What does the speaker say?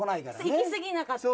いきすぎなかった。